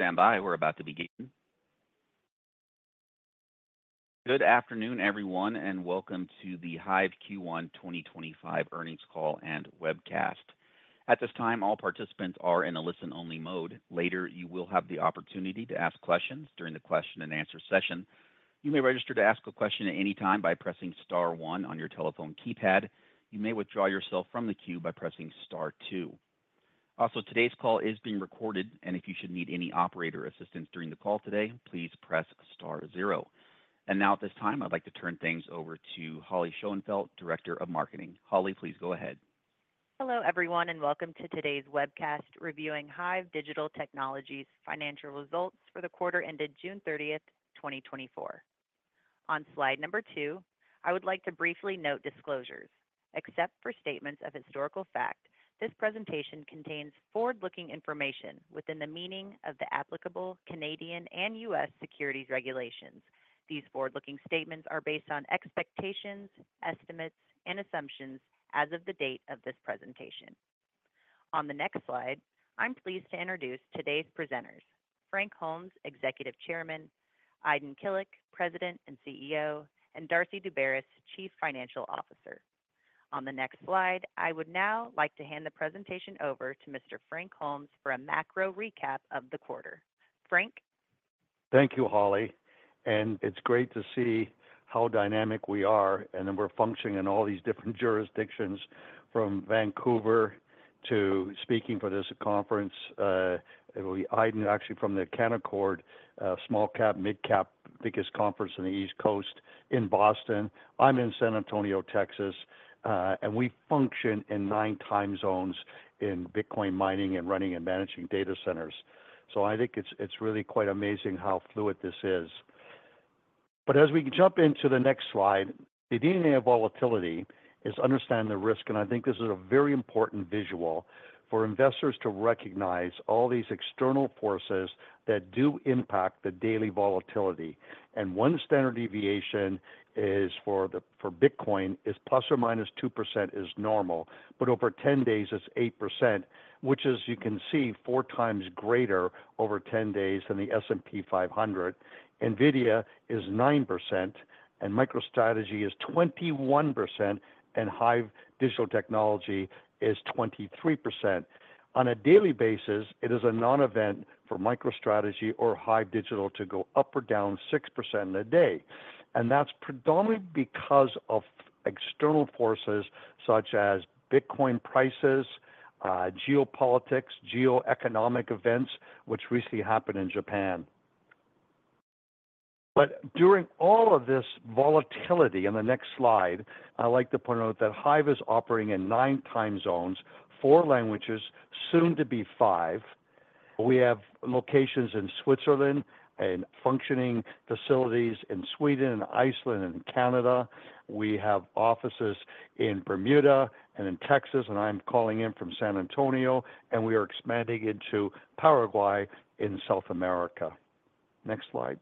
Please stand by. We're about to begin. Good afternoon, everyone, and welcome to the HIVE Q1 2025 Earnings Call and Webcast. At this time, all participants are in a listen-only mode. Later, you will have the opportunity to ask questions during the question and answer session. You may register to ask a question at any time by pressing star one on your telephone keypad. You may withdraw yourself from the queue by pressing star two. Also, today's call is being recorded, and if you should need any operator assistance during the call today, please press star zero. And now, at this time, I'd like to turn things over to Holly Schoenfeldt, Director of Marketing. Holly, please go ahead. Hello, everyone, and welcome to today's webcast reviewing HIVE Digital Technologies financial results for the quarter ended June 30th, 2024. On slide 2, I would like to briefly note disclosures. Except for statements of historical fact, this presentation contains forward-looking information within the meaning of the applicable Canadian and U.S. securities regulations. These forward-looking statements are based on expectations, estimates, and assumptions as of the date of this presentation. On the next slide, I'm pleased to introduce today's presenters, Frank Holmes, Executive Chairman, Aydin Kilic, President and CEO, and Darcy Daubaras, Chief Financial Officer. On the next slide, I would now like to hand the presentation over to Mr. Frank Holmes for a macro recap of the quarter. Frank? Thank you, Holly, and it's great to see how dynamic we are, and then we're functioning in all these different jurisdictions, from Vancouver to speaking for this conference. It will be Aydin, actually, from the Canaccord, small cap, mid cap, biggest conference in the East Coast in Boston. I'm in San Antonio, Texas, and we function in nine time zones in Bitcoin mining and running and managing data centers. So I think it's, it's really quite amazing how fluid this is. But as we jump into the next slide, the DNA of volatility is understand the risk, and I think this is a very important visual for investors to recognize all these external forces that do impact the daily volatility. One standard deviation for Bitcoin is ±2% is normal, but over 10 days, it's 8%, which, as you can see, four times greater over 10 days than the S&P 500. NVIDIA is 9%, and MicroStrategy is 21%, and HIVE Digital Technologies is 23%. On a daily basis, it is a non-event for MicroStrategy or HIVE Digital to go up or down 6% in a day, and that's predominantly because of external forces such as Bitcoin prices, geopolitics, geo-economic events, which recently happened in Japan. But during all of this volatility, in the next slide, I'd like to point out that HIVE is operating in 9 time zones, 4 languages, soon to be 5. We have locations in Switzerland and functioning facilities in Sweden and Iceland and Canada. We have offices in Bermuda and in Texas, and I'm calling in from San Antonio, and we are expanding into Paraguay in South America. Next slide.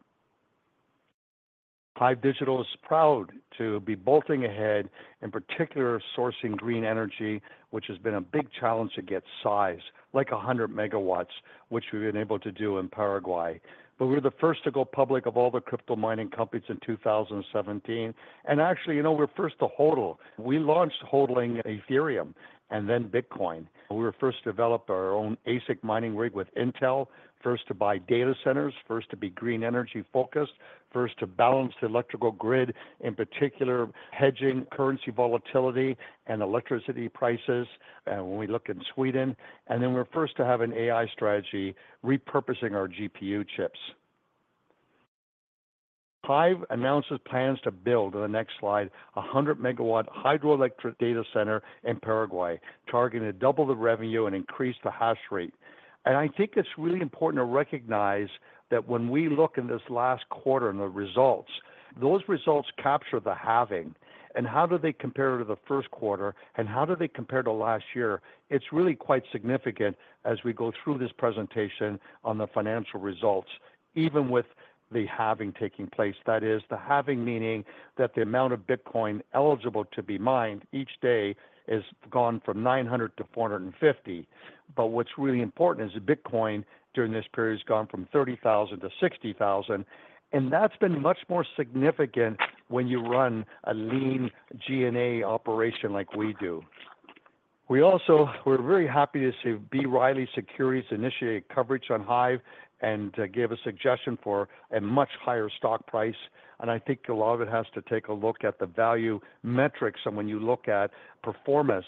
HIVE Digital is proud to be bolting ahead, in particular, sourcing green energy, which has been a big challenge to get size, like 100 MW, which we've been able to do in Paraguay. But we're the first to go public of all the crypto mining companies in 2017. And actually, you know, we're first to HODL. We launched HODLing Ethereum and then Bitcoin. We were first to develop our own ASIC mining rig with Intel, first to buy data centers, first to be green energy-focused, first to balance the electrical grid, in particular, hedging currency volatility and electricity prices, and when we look in Sweden, and then we're first to have an AI strategy, repurposing our GPU chips. HIVE announces plans to build, on the next slide, a 100 MW hydroelectric data center in Paraguay, targeting to double the revenue and increase the hash rate. I think it's really important to recognize that when we look in this last quarter and the results, those results capture the halving. How do they compare to the first quarter, and how do they compare to last year? It's really quite significant as we go through this presentation on the financial results, even with the halving taking place. That is, the halving, meaning that the amount of Bitcoin eligible to be mined each day has gone from 900-450. What's really important is that Bitcoin, during this period, has gone from $30,000-$60,000, and that's been much more significant when you run a lean G&A operation like we do. We're very happy to see B. Riley Securities initiate coverage on HIVE and give a suggestion for a much higher stock price. I think a lot of it has to take a look at the value metrics and when you look at performance,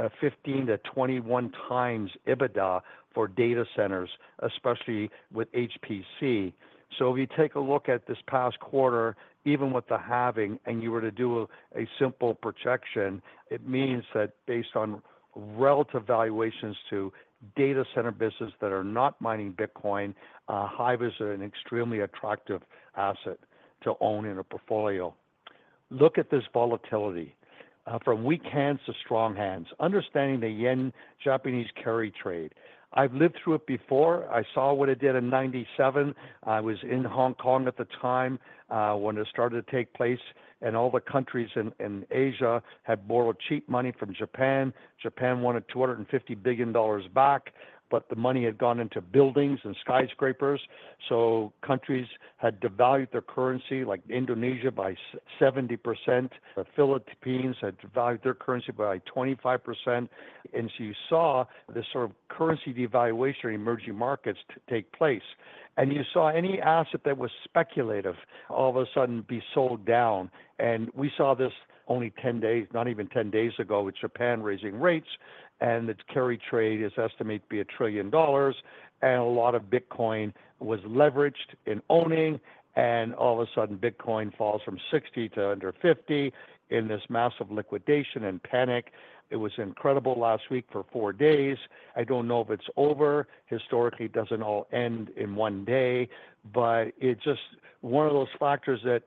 15-21x EBITDA for data centers, especially with HPC. So if you take a look at this past quarter, even with the halving, and you were to do a simple projection, it means that based on relative valuations to data center business that are not mining Bitcoin, HIVE is an extremely attractive asset to own in a portfolio. Look at this volatility from weak hands to strong hands, understanding the Japanese yen carry trade. I've lived through it before. I saw what it did in 1997. I was in Hong Kong at the time, when it started to take place, and all the countries in Asia had borrowed cheap money from Japan. Japan wanted $250 billion back, but the money had gone into buildings and skyscrapers, so countries had devalued their currency, like Indonesia, by 70%. The Philippines had devalued their currency by 25%. And so you saw this sort of currency devaluation in emerging markets take place, and you saw any asset that was speculative all of a sudden be sold down. We saw this only 10 days, not even 10 days ago, with Japan raising rates, and its carry trade is estimated to be $1 trillion, and a lot of Bitcoin was leveraged in owning, and all of a sudden, Bitcoin falls from $60,000 to under $50,000 in this massive liquidation and panic. It was incredible last week for 4 days. I don't know if it's over. Historically, it doesn't all end in one day, but it's just one of those factors that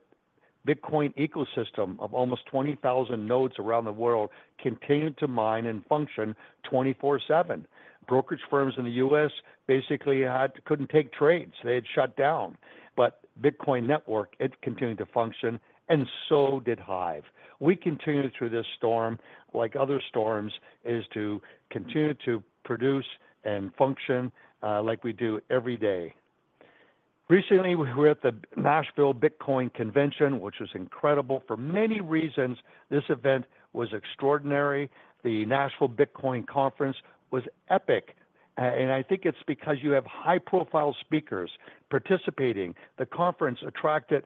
Bitcoin ecosystem of almost 20,000 nodes around the world continued to mine and function 24/7. Brokerage firms in the U.S. basically couldn't take trades. They had shut down. But Bitcoin network, it continued to function and so did HIVE. We continued through this storm, like other storms, is to continue to produce and function like we do every day. Recently, we were at the Nashville Bitcoin Convention, which was incredible. For many reasons, this event was extraordinary. The Nashville Bitcoin Conference was epic, and I think it's because you have high-profile speakers participating. The conference attracted,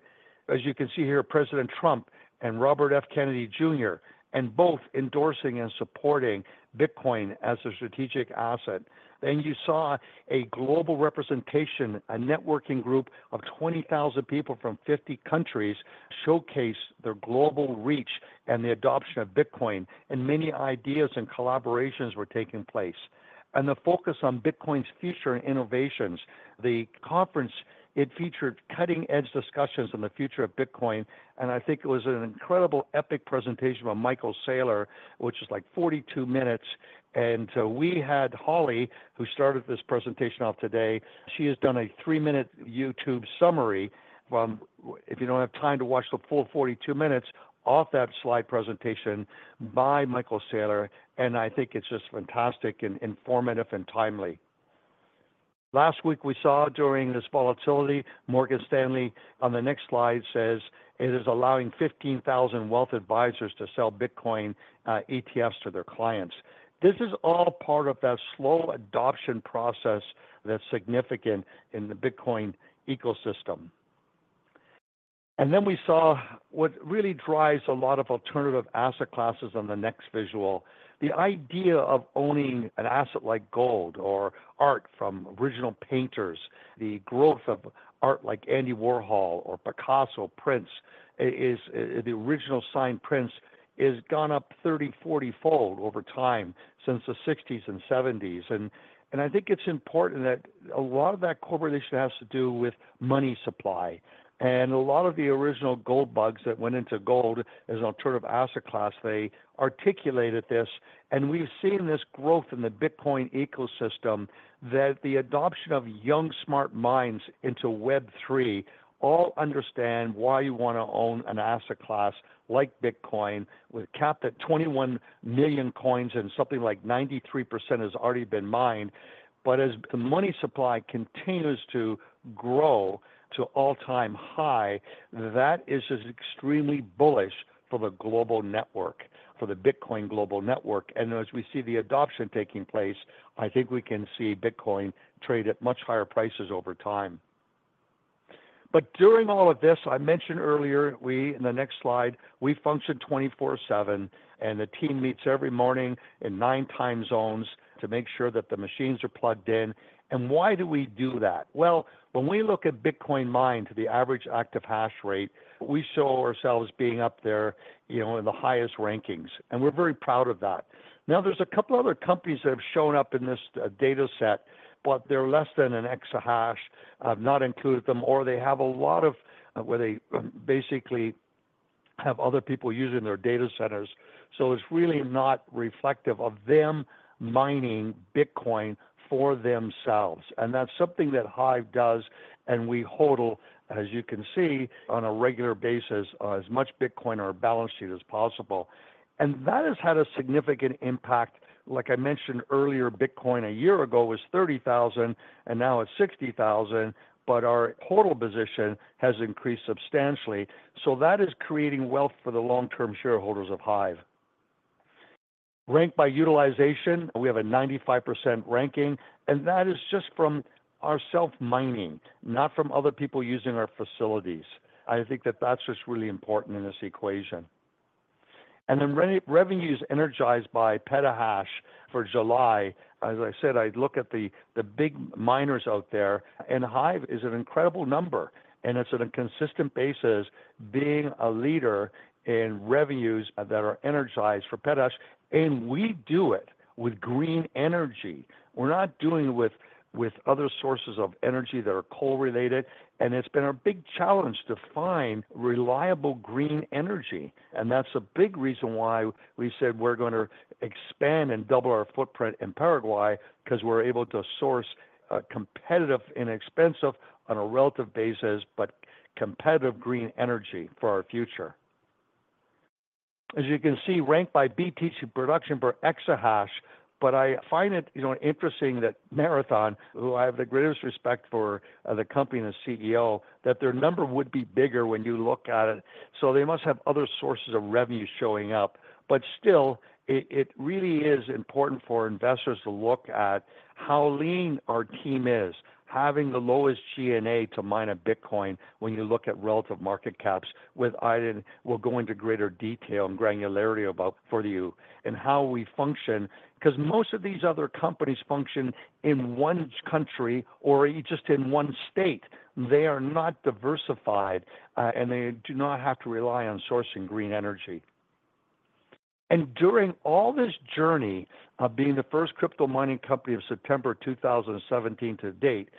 as you can see here, President Trump and Robert F. Kennedy Jr., and both endorsing and supporting Bitcoin as a strategic asset. Then you saw a global representation, a networking group of 20,000 people from 50 countries showcase their global reach and the adoption of Bitcoin, and many ideas and collaborations were taking place. And the focus on Bitcoin's future innovations, the conference, it featured cutting-edge discussions on the future of Bitcoin, and I think it was an incredible, epic presentation by Michael Saylor, which is, like, 42 minutes. And so we had Holly, who started this presentation off today. She has done a 3-minute YouTube summary from... If you don't have time to watch the full 42 minutes of that slide presentation by Michael Saylor, and I think it's just fantastic and informative and timely. Last week, we saw during this volatility, Morgan Stanley, on the next slide, says it is allowing 15,000 wealth advisors to sell Bitcoin ETFs to their clients. This is all part of that slow adoption process that's significant in the Bitcoin ecosystem. And then we saw what really drives a lot of alternative asset classes on the next visual. The idea of owning an asset like gold or art from original painters, the growth of art like Andy Warhol or Picasso prints, is the original signed prints, is gone up 30- or 40-fold over time since the 1960s and 1970s. And I think it's important that a lot of that correlation has to do with money supply. A lot of the original gold bugs that went into gold as an alternative asset class, they articulated this, and we've seen this growth in the Bitcoin ecosystem, that the adoption of young, smart minds into Web3 all understand why you want to own an asset class like Bitcoin, with a cap at 21 million coins, and something like 93% has already been mined. But as the money supply continues to grow to all-time high, that is just extremely bullish for the global network, for the Bitcoin global network. As we see the adoption taking place, I think we can see Bitcoin trade at much higher prices over time. But during all of this, I mentioned earlier, we, in the next slide, we functioned 24/7, and the team meets every morning in nine time zones to make sure that the machines are plugged in. And why do we do that? Well, when we look at Bitcoin mined to the average active hash rate, we show ourselves being up there, you know, in the highest rankings, and we're very proud of that. Now, there's a couple other companies that have shown up in this data set, but they're less than an exahash. I've not included them, or they basically have other people using their data centers, so it's really not reflective of them mining Bitcoin for themselves, and that's something that HIVE does, and we HODL, as you can see, on a regular basis, as much Bitcoin on our balance sheet as possible. And that has had a significant impact. Like I mentioned earlier, Bitcoin a year ago was $30,000, and now it's $60,000, but our total position has increased substantially, so that is creating wealth for the long-term shareholders of HIVE. Ranked by utilization, we have a 95% ranking, and that is just from our self-mining, not from other people using our facilities. I think that that's just really important in this equation. And then revenue is energized by petahash for July. As I said, I look at the, the big miners out there, and HIVE is an incredible number, and it's on a consistent basis being a leader in revenues that are energized for petahash, and we do it with green energy. We're not doing it with, with other sources of energy that are coal-related, and it's been a big challenge to find reliable green energy. That's a big reason why we said we're going to expand and double our footprint in Paraguay, 'cause we're able to source a competitive, inexpensive, on a relative basis, but competitive green energy for our future. As you can see, ranked by BTC production per exahash, but I find it, you know, interesting that Marathon, who I have the greatest respect for, the company and the CEO, that their number would be bigger when you look at it. So they must have other sources of revenue showing up. But still, it really is important for investors to look at how lean our team is, having the lowest G&A to mine a Bitcoin when you look at relative market caps. With Aydin, we'll go into greater detail and granularity about for you and how we function, 'cause most of these other companies function in one country or just in one state. They are not diversified, and they do not have to rely on sourcing green energy. And during all this journey of being the first crypto mining company of September 2017 to date,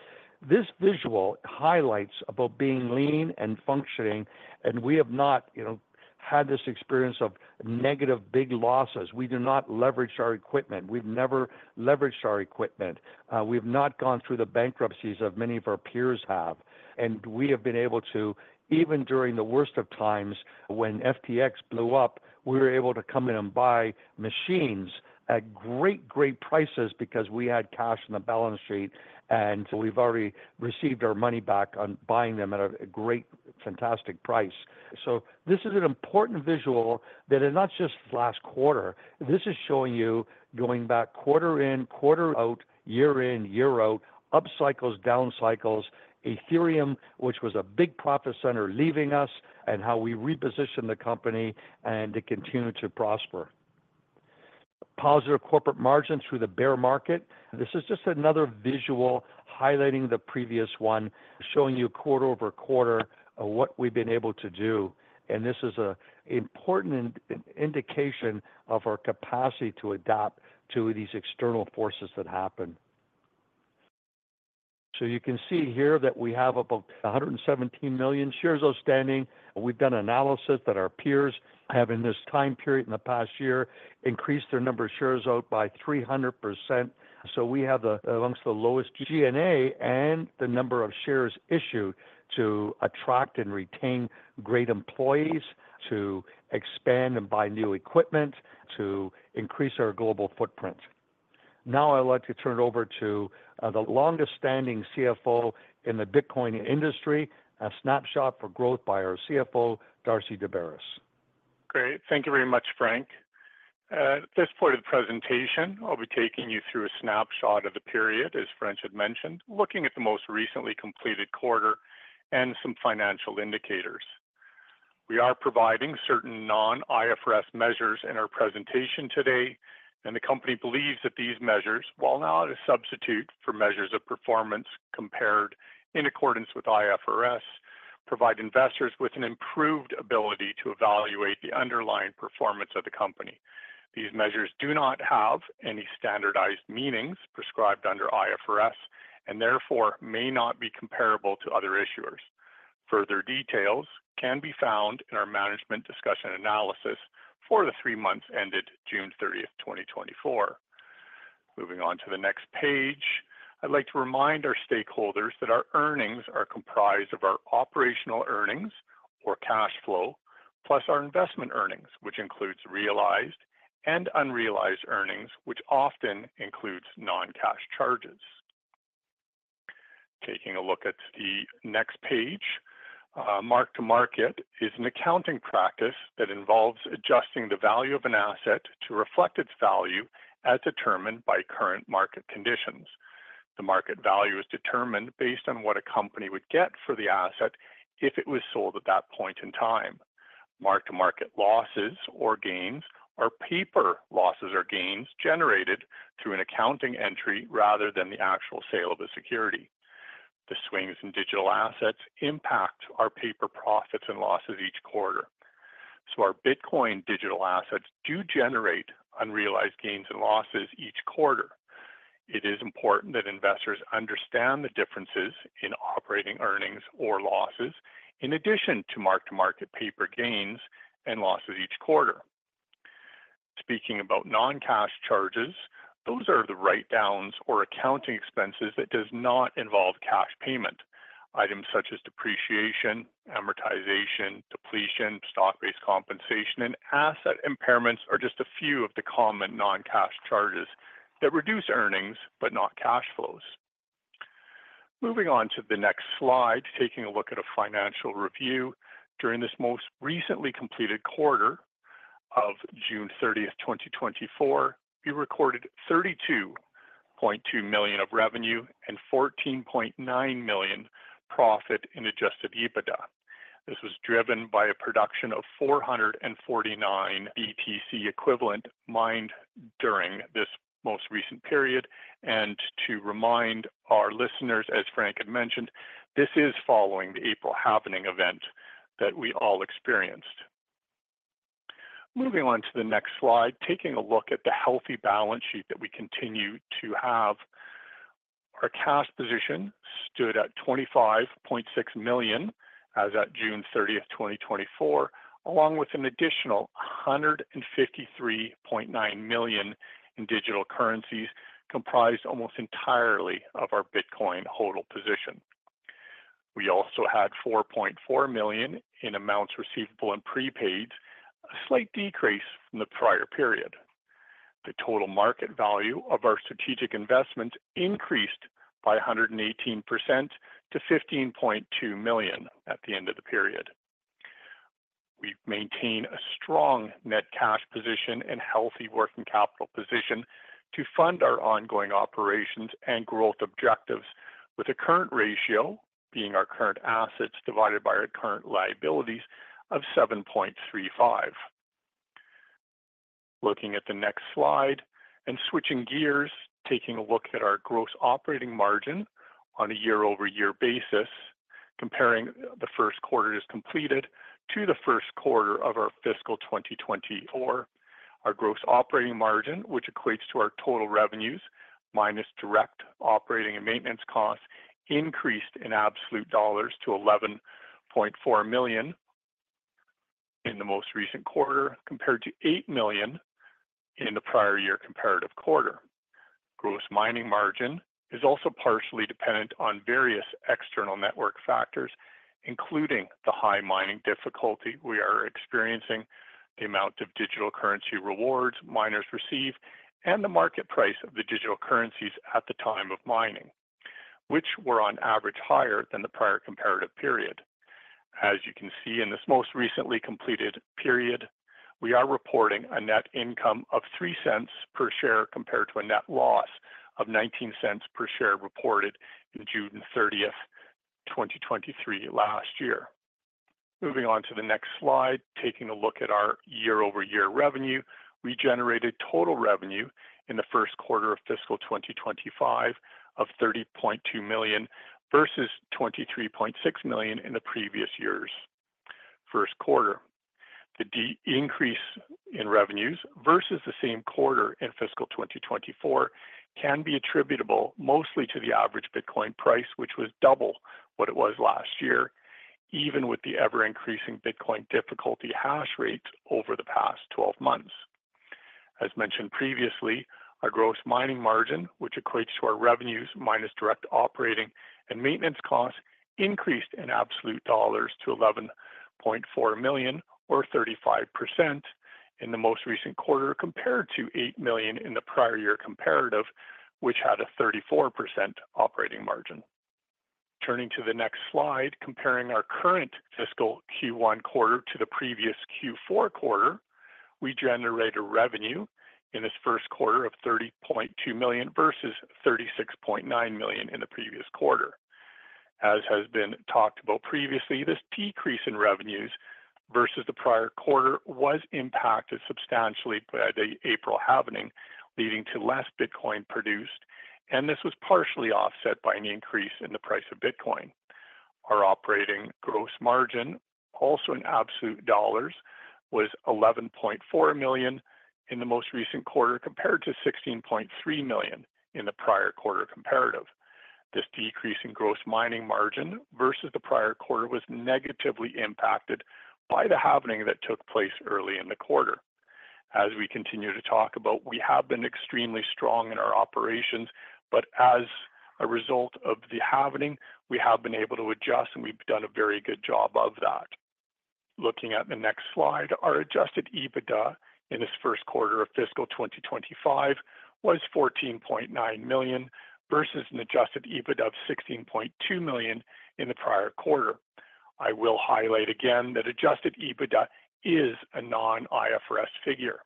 this visual highlights about being lean and functioning, and we have not, you know, had this experience of negative big losses. We do not leverage our equipment. We've never leveraged our equipment. We've not gone through the bankruptcies of many of our peers have, and we have been able to, even during the worst of times when FTX blew up, we were able to come in and buy machines at great, great prices because we had cash in the balance sheet, and we've already received our money back on buying them at a, a great, fantastic price. So this is an important visual that is not just last quarter. This is showing you going back quarter in, quarter out, year in, year out, up cycles, down cycles, Ethereum, which was a big profit center, leaving us, and how we repositioned the company and to continue to prosper. Positive corporate margins through the bear market. This is just another visual highlighting the previous one, showing you quarter-over-quarter of what we've been able to do, and this is an important indication of our capacity to adapt to these external forces that happen. So you can see here that we have about 117 million shares outstanding. We've done analysis that our peers have, in this time period in the past year, increased their number of shares out by 300%. So we have the, amongst the lowest G&A and the number of shares issued to attract and retain great employees, to expand and buy new equipment, to increase our global footprint. Now, I'd like to turn it over to the longest standing CFO in the Bitcoin industry, a snapshot for growth by our CFO, Darcy Daubaras. Great. Thank you very much, Frank. At this point of the presentation, I'll be taking you through a snapshot of the period, as Frank had mentioned, looking at the most recently completed quarter and some financial indicators. We are providing certain non-IFRS measures in our presentation today, and the company believes that these measures, while not a substitute for measures of performance compared in accordance with IFRS, provide investors with an improved ability to evaluate the underlying performance of the company. These measures do not have any standardized meanings prescribed under IFRS, and therefore may not be comparable to other issuers. Further details can be found in our management discussion analysis for the three months ended June 30th, 2024. Moving on to the next page, I'd like to remind our stakeholders that our earnings are comprised of our operational earnings or cash flow, plus our investment earnings, which includes realized and unrealized earnings, which often includes non-cash charges. Taking a look at the next page, mark-to-market is an accounting practice that involves adjusting the value of an asset to reflect its value as determined by current market conditions. The market value is determined based on what a company would get for the asset if it was sold at that point in time. Mark-to-market losses or gains are paper losses or gains generated through an accounting entry rather than the actual sale of a security. The swings in digital assets impact our paper profits and losses each quarter. So our Bitcoin digital assets do generate unrealized gains and losses each quarter. It is important that investors understand the differences in operating earnings or losses, in addition to mark-to-market paper gains and losses each quarter. Speaking about non-cash charges, those are the write-downs or accounting expenses that do not involve cash payment. Items such as depreciation, amortization, depletion, stock-based compensation, and asset impairments are just a few of the common non-cash charges that reduce earnings but not cash flows. Moving on to the next slide, taking a look at a financial review. During this most recently completed quarter of June 30th, 2024, we recorded $32.2 million of revenue and $14.9 million profit in adjusted EBITDA. This was driven by a production of 449 BTC equivalent mined during this most recent period. And to remind our listeners, as Frank had mentioned, this is following the April halving event that we all experienced. Moving on to the next slide, taking a look at the healthy balance sheet that we continue to have. Our cash position stood at $25.6 million as at June 30th, 2024, along with an additional $153.9 million in digital currencies, comprised almost entirely of our Bitcoin HODL position.... We also had $4.4 million in amounts receivable and prepaid, a slight decrease from the prior period. The total market value of our strategic investment increased by 118% to $15.2 million at the end of the period. We've maintained a strong net cash position and healthy working capital position to fund our ongoing operations and growth objectives, with a current ratio, being our current assets divided by our current liabilities, of 7.35. Looking at the next slide and switching gears, taking a look at our gross operating margin on a year-over-year basis, comparing the first quarter is completed to the first quarter of our fiscal 2024. Our gross operating margin, which equates to our total revenues minus direct operating and maintenance costs, increased in absolute dollars to $11.4 million in the most recent quarter, compared to $8 million in the prior year comparative quarter. Gross mining margin is also partially dependent on various external network factors, including the high mining difficulty we are experiencing, the amount of digital currency rewards miners receive, and the market price of the digital currencies at the time of mining, which were on average higher than the prior comparative period. As you can see in this most recently completed period, we are reporting a net income of $0.03 per share, compared to a net loss of $0.19 per share reported in June 30th, 2023 last year. Moving on to the next slide, taking a look at our year-over-year revenue. We generated total revenue in the first quarter of fiscal 2025 of $30.2 million, versus $23.6 million in the previous years' first quarter. The increase in revenues versus the same quarter in fiscal 2024 can be attributable mostly to the average Bitcoin price, which was double what it was last year, even with the ever-increasing Bitcoin difficulty hash rates over the past 12 months. As mentioned previously, our gross mining margin, which equates to our revenues minus direct operating and maintenance costs, increased in absolute dollars to $11.4 million, or 35% in the most recent quarter, compared to $8 million in the prior year comparative, which had a 34% operating margin. Turning to the next slide, comparing our current fiscal Q1 quarter to the previous Q4 quarter, we generated revenue in this first quarter of $30.2 million versus $36.9 million in the previous quarter. As has been talked about previously, this decrease in revenues versus the prior quarter was impacted substantially by the April halving, leading to less Bitcoin produced, and this was partially offset by an increase in the price of Bitcoin. Our operating gross margin, also in absolute dollars, was $11.4 million in the most recent quarter, compared to $16.3 million in the prior quarter comparative. This decrease in gross mining margin versus the prior quarter was negatively impacted by the halving that took place early in the quarter. As we continue to talk about, we have been extremely strong in our operations, but as a result of the halving, we have been able to adjust, and we've done a very good job of that. Looking at the next slide, our Adjusted EBITDA in this first quarter of fiscal 2025 was $14.9 million, versus an Adjusted EBITDA of $16.2 million in the prior quarter. I will highlight again that Adjusted EBITDA is a non-IFRS figure.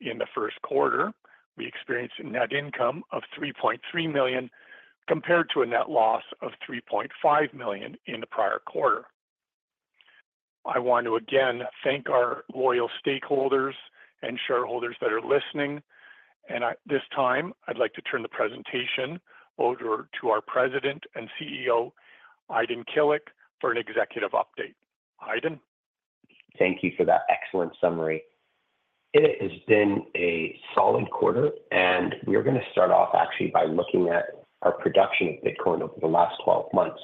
In the first quarter, we experienced a net income of $3.3 million, compared to a net loss of $3.5 million in the prior quarter. I want to again thank our loyal stakeholders and shareholders that are listening, and at this time, I'd like to turn the presentation over to our President and CEO, Aydin Kilic, for an executive update. Aydin? Thank you for that excellent summary. It has been a solid quarter, and we are gonna start off actually by looking at our production of Bitcoin over the last 12 months.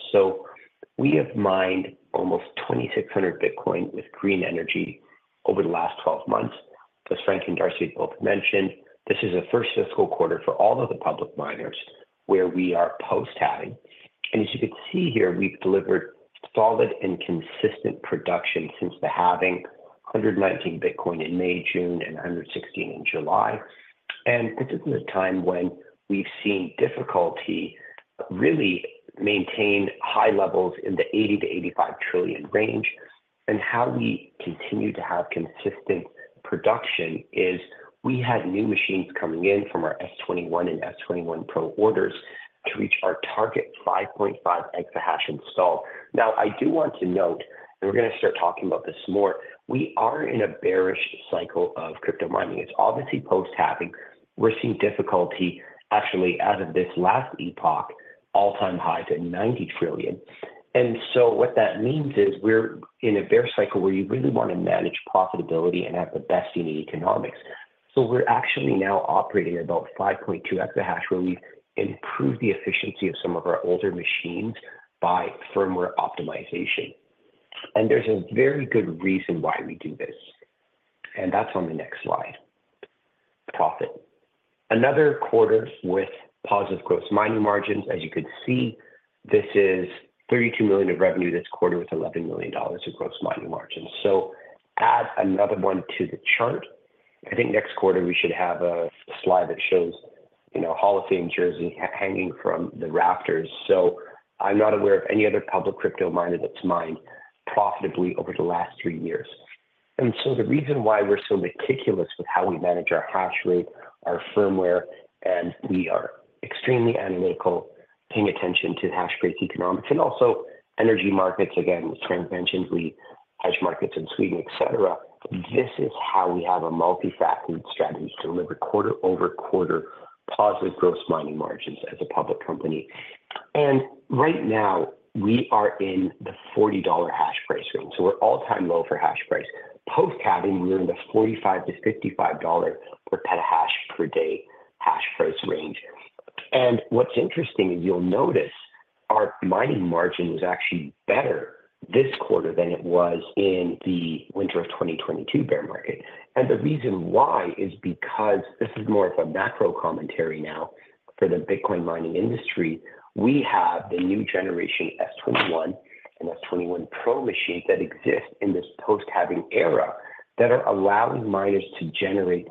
So we have mined almost 2,600 Bitcoin with green energy over the last 12 months. As Frank and Darcy both mentioned, this is the first fiscal quarter for all of the public miners where we are post-halving. And as you can see here, we've delivered solid and consistent production since the halving, 119 Bitcoin in May, June, and 116 in July. And this is a time when we've seen difficulty really maintain high levels in the 80-85 trillion range. And how we continue to have consistent production is we had new machines coming in from our S21 and S21 Pro orders to reach our target 5.5 exahash install. Now, I do want to note, and we're gonna start talking about this more, we are in a bearish cycle of crypto mining. It's obviously post-halving. We're seeing difficulty actually out of this last epoch, all-time high to 90 trillion. And so what that means is we're in a bear cycle where you really want to manage profitability and have the best unique economics. So we're actually now operating at about 5.2 exahash, where we've improved the efficiency of some of our older machines by firmware optimization. And there's a very good reason why we do this, and that's on the next slide.... profit. Another quarter with positive gross mining margins. As you can see, this is $32 million of revenue this quarter, with $11 million of gross mining margins. So add another one to the chart. I think next quarter we should have a slide that shows, you know, Hall of Fame jersey hanging from the rafters. So I'm not aware of any other public crypto miner that's mined profitably over the last 3 years. And so the reason why we're so meticulous with how we manage our hash rate, our firmware, and we are extremely analytical, paying attention to hash rates, economics, and also energy markets. Again, with interventions, we hedge markets in Sweden, etc. This is how we have a multifaceted strategy to deliver quarter-over-quarter positive gross mining margins as a public company. And right now, we are in the $40 hash price range, so we're all-time low for hash price. Post-halving, we're in the $45-$55 per petahash per day hash price range. And what's interesting, and you'll notice, our mining margin was actually better this quarter than it was in the winter of 2022 bear market. And the reason why is because, this is more of a macro commentary now for the Bitcoin mining industry, we have the new generation S21 and S21 Pro machine that exist in this post-halving era, that are allowing miners to generate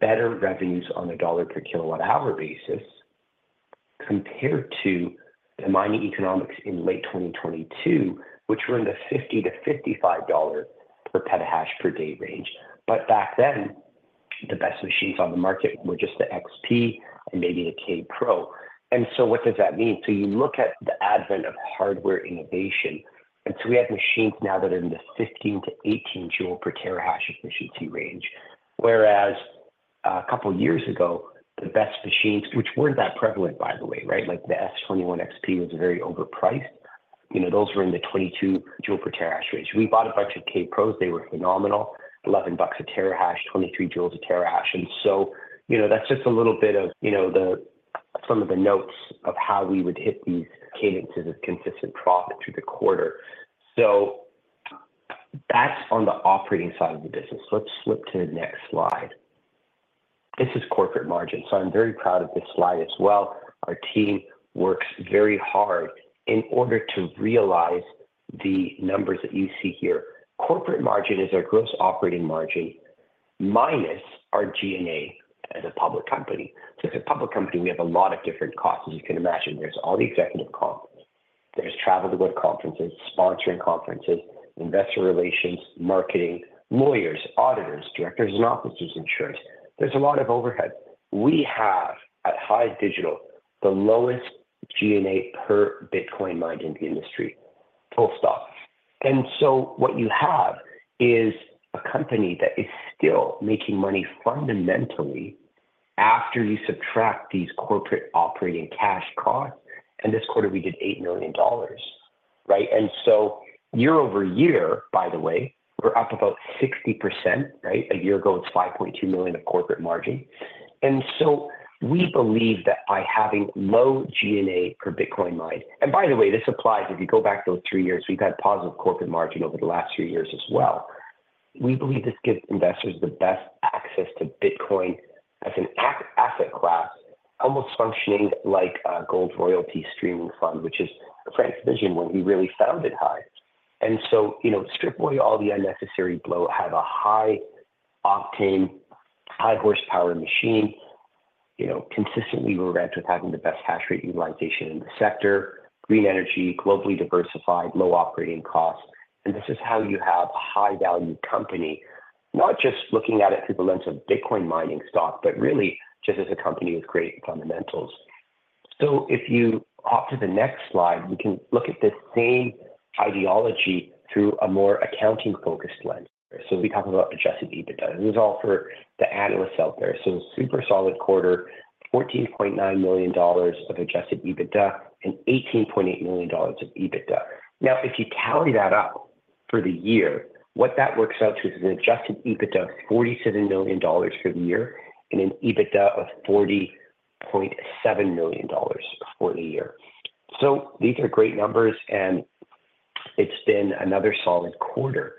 better revenues on a $ per kilowatt hour basis, compared to the mining economics in late 2022, which were in the $50-$55 per petahash per day range. But back then, the best machines on the market were just the XP and maybe the K Pro. And so what does that mean? So you look at the advent of hardware innovation, and so we have machines now that are in the 15-18 J/TH efficiency range. Whereas, a couple years ago, the best machines, which weren't that prevalent, by the way, right? Like, the S21 XP was very overpriced. You know, those were in the 22 J/TH range. We bought a bunch of K Pros. They were phenomenal. $11 a terahash, 23 J/TH. And so, you know, that's just a little bit of, you know, the, some of the notes of how we would hit these cadences of consistent profit through the quarter. So that's on the operating side of the business. Let's flip to the next slide. This is corporate margin, so I'm very proud of this slide as well. Our team works very hard in order to realize the numbers that you see here. Corporate margin is our gross operating margin, minus our G&A as a public company. So as a public company, we have a lot of different costs, as you can imagine. There's all the executive costs, there's travel to go to conferences, sponsoring conferences, investor relations, marketing, lawyers, auditors, directors and officers insurance. There's a lot of overhead. We have, at HIVE Digital, the lowest G&A per Bitcoin mine in the industry, full stop. And so what you have is a company that is still making money fundamentally after you subtract these corporate operating cash costs. And this quarter, we did $8 million, right? And so year-over-year, by the way, we're up about 60%, right? A year ago, it's $5.2 million of corporate margin. And so we believe that by having low G&A per Bitcoin mined... And by the way, this applies if you go back those three years, we've had positive corporate margin over the last three years as well. We believe this gives investors the best access to Bitcoin as an asset class, almost functioning like a gold royalty streaming fund, which is Frank's vision when he really founded HIVE. And so, you know, strip away all the unnecessary bloat, have a high-octane, high-horsepower machine, you know, consistently ranked with having the best hash rate utilization in the sector, green energy, globally diversified, low operating costs. And this is how you have a high-value company, not just looking at it through the lens of Bitcoin mining stock, but really just as a company with great fundamentals. So if you hop to the next slide, we can look at the same ideology through a more accounting-focused lens. So we talk about Adjusted EBITDA. This is all for the analysts out there. So super solid quarter, $14.9 million of Adjusted EBITDA and $18.8 million of EBITDA. Now, if you tally that up for the year, what that works out to is an Adjusted EBITDA of $47 million for the year and an EBITDA of $40.7 million for the year. So these are great numbers, and it's been another solid quarter.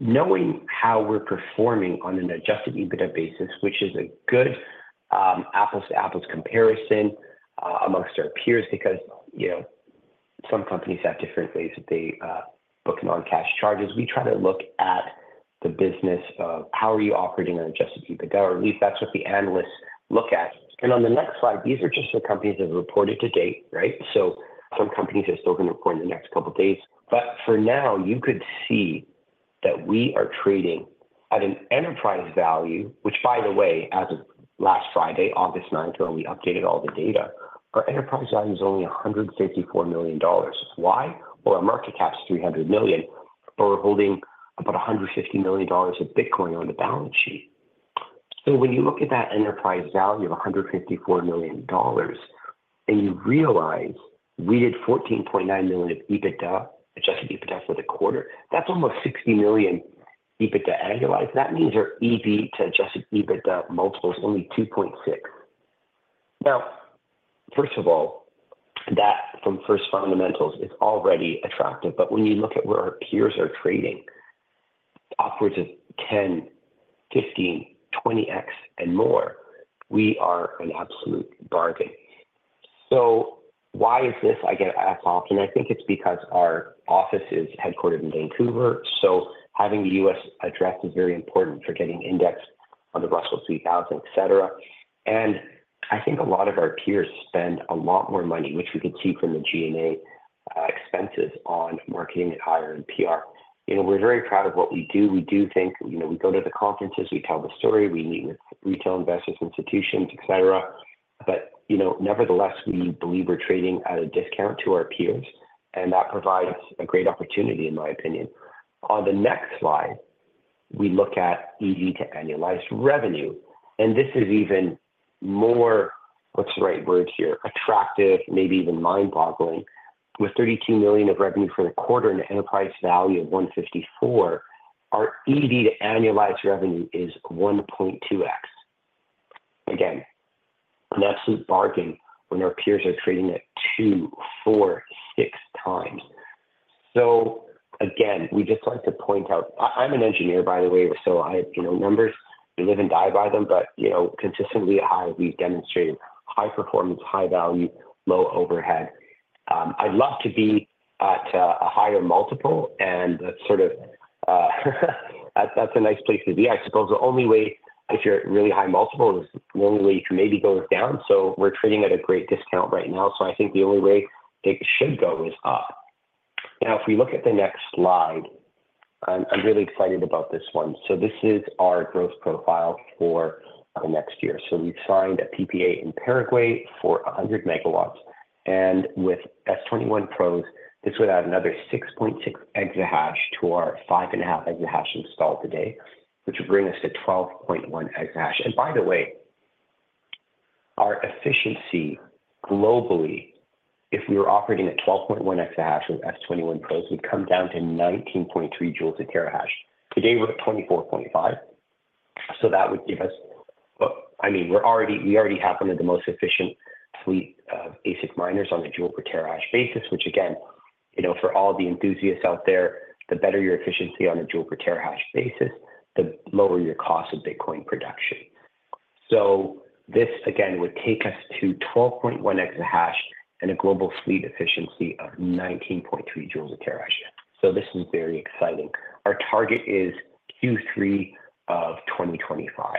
Knowing how we're performing on an Adjusted EBITDA basis, which is a good, apples to apples comparison, amongst our peers, because, you know, some companies have different ways that they, book non-cash charges. We try to look at the business of how are you operating on Adjusted EBITDA, or at least that's what the analysts look at. On the next slide, these are just the companies that have reported to date, right? So some companies are still going to report in the next couple of days, but for now, you could see that we are trading at an enterprise value, which, by the way, as of last Friday, August 9th, when we updated all the data, our enterprise value is only $154 million. Why? Well, our market cap is $300 million, but we're holding about $150 million of Bitcoin on the balance sheet. So when you look at that enterprise value of $154 million, and you realize we did $14.9 million of EBITDA, Adjusted EBITDA for the quarter, that's almost $60 million EBITDA annualized. That means our EV to adjusted EBITDA multiple is only 2.6x. Well, first of all, that from first fundamentals is already attractive. But when you look at where our peers are trading, upwards of 10, 15, 20x and more, we are an absolute bargain. So why is this? I get asked often. I think it's because our office is headquartered in Vancouver, so having a U.S. address is very important for getting indexed on the Russell 2000, et cetera. And I think a lot of our peers spend a lot more money, which we could see from the G&A expenses on marketing and hiring PR. You know, we're very proud of what we do. We do think, you know, we go to the conferences, we tell the story, we meet with retail investors, institutions, et cetera. But, you know, nevertheless, we believe we're trading at a discount to our peers, and that provides a great opportunity, in my opinion. On the next slide, we look at EV to annualized revenue, and this is even more, what's the right word here? Attractive, maybe even mind-boggling. With $32 million of revenue for the quarter and an enterprise value of $154 million, our EV to annualized revenue is 1.2x. Again, an absolute bargain when our peers are trading at 2x, 4x, 6x. So again, we just like to point out. I'm an engineer, by the way, so I, you know, numbers, we live and die by them. But, you know, consistently high, we've demonstrated high performance, high value, low overhead. I'd love to be at a higher multiple, and that's sort of, that's a nice place to be. I suppose the only way if you're at really high multiple is the only way you can maybe go is down, so we're trading at a great discount right now, so I think the only way it should go is up. Now, if we look at the next slide, I'm really excited about this one. So this is our growth profile for the next year. So we've signed a PPA in Paraguay for 100 MW, and with S21 pros, this would add another 6.6 exahash to our 5.5 exahash installed today, which would bring us to 12.1 exahash. And by the way, our efficiency globally, if we were operating at 12.1 exahash with S21 pros, would come down to 19.3 J/TH. Today, we're at 24.5, so that would give us... Well, I mean, we're already have one of the most efficient fleet of ASIC miners on a joule per terahash basis, which again, you know, for all the enthusiasts out there, the better your efficiency on a joule per terahash basis, the lower your cost of Bitcoin production. So this, again, would take us to 12.1 exahash and a global fleet efficiency of 19.3 J/TH. So this is very exciting. Our target is Q3 of 2025.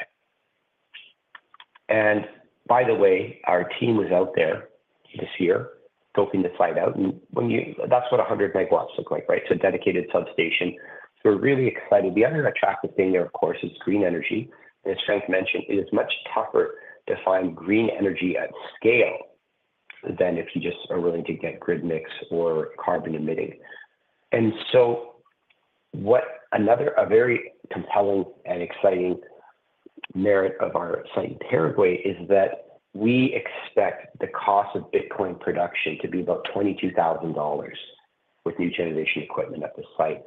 And by the way, our team was out there this year scoping the site out, and that's what 100 MW look like, right? So a dedicated substation. We're really excited. The other attractive thing there, of course, is green energy. As Frank mentioned, it is much tougher to find green energy at scale than if you just are willing to get grid mix or carbon emitting. And so, a very compelling and exciting merit of our site in Paraguay is that we expect the cost of Bitcoin production to be about $22,000 with new generation equipment at the site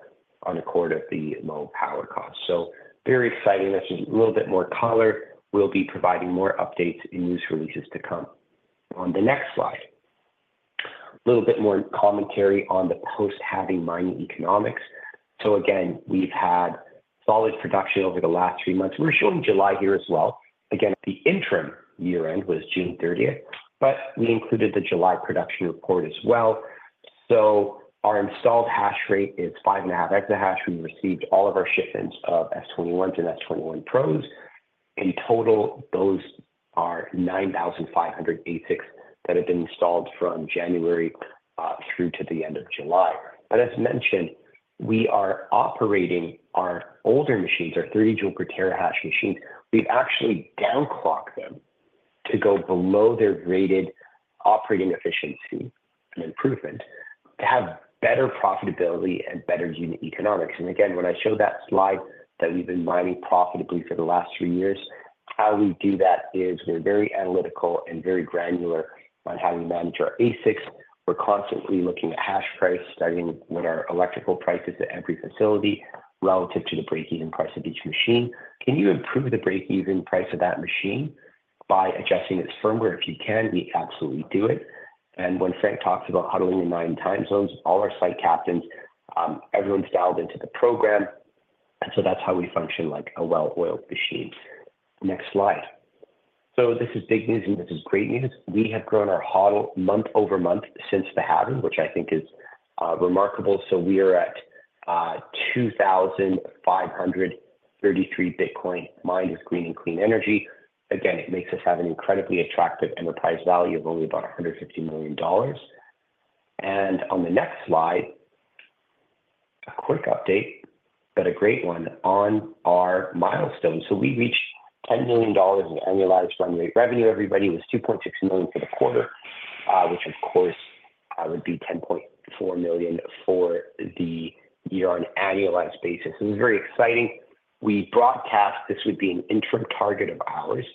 on account of the low power cost. So very exciting. That's a little bit more color. We'll be providing more updates in news releases to come. On the next slide, a little bit more commentary on the post-halving mining economics. So again, we've had solid production over the last three months. We're showing July here as well. Again, the interim year end was June 30th, but we included the July production report as well. So our installed hash rate is 5.5 exahash. We received all of our shipments of S21 to S21 Pros. In total, those are 9,500 ASICs that have been installed from January through to the end of July. But as mentioned, we are operating our older machines, our 30 J/TH machines. We've actually downclocked them to go below their rated operating efficiency and improvement to have better profitability and better unit economics. And again, when I showed that slide that we've been mining profitably for the last 3 years, how we do that is we're very analytical and very granular on how we manage our ASICs. We're constantly looking at hash price, studying what our electrical price is at every facility relative to the breakeven price of each machine. Can you improve the breakeven price of that machine by adjusting its firmware? If you can, we absolutely do it. When Frank talks about huddling in mining time zones, all our site captains, everyone's dialed into the program, and so that's how we function like a well-oiled machine. Next slide. This is big news, and this is great news. We have grown our HODL month-over-month since the halving, which I think is remarkable. We are at 2,533 Bitcoin mined with green and clean energy. Again, it makes us have an incredibly attractive enterprise value of only about $150 million. On the next slide, a quick update, but a great one on our milestones. We reached $10 million in annualized run rate revenue. Everybody, it was $2.6 million for the quarter, which of course would be $10.4 million for the year on an annualized basis. It was very exciting. We broadcast this would be an interim target of ours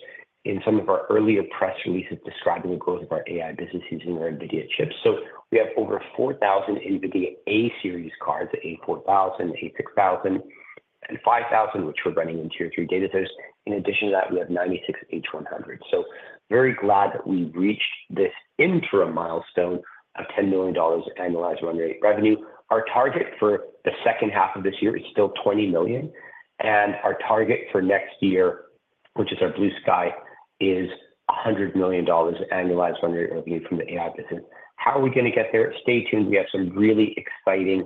in some of our earlier press releases describing the growth of our AI businesses and our NVIDIA chips. So we have over 4,000 NVIDIA A-series cards, A4000, A6000, and A5000, which we're running in Tier III data centers. In addition to that, we have 96 H100. So very glad that we've reached this interim milestone of $10 million annualized run rate revenue. Our target for the second half of this year is still $20 million, and our target for next year, which is our blue sky, is $100 million annualized run rate revenue from the AI business. How are we gonna get there? Stay tuned. We have some really exciting